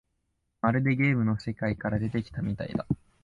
まるでゲームの世界から出てきたみたいだ